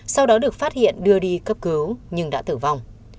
sau đó được phát hiện đưa đi cấp cứu nhưng đã tử vong